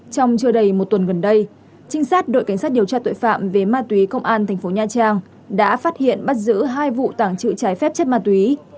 trong trưa đầy một tuần gần đây trinh sát đội cảnh sát điều tra tội phạm về ma túy công an thành phố nha trang đã phát hiện bắt giữ hai vụ tảng trự trái phép chất ma túy